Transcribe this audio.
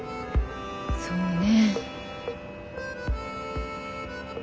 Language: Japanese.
そうね。